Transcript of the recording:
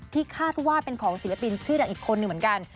ที่คาดว่าเป็นของศิลปินชื่นอีกคนนึงเหมือนกัน